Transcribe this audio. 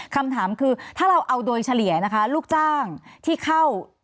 คำถามคือถ้าเราเอาโดยเฉลี่ยนะคะลูกจ้างที่เข้า